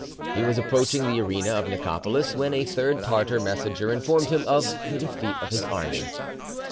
He was approaching the arena of Nicopolis when a third Tartar messenger informed him of the defeat of his army.